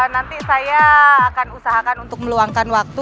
nanti saya akan usahakan untuk meluangkan waktu